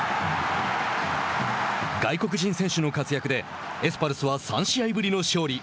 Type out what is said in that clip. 外国人選手の活躍でエスパルスは、３試合ぶりの勝利。